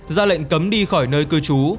ra lệnh cấm đi khỏi nơi cư trú